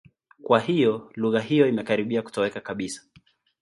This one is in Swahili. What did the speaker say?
Kwa hiyo lugha hiyo imekaribia kutoweka kabisa.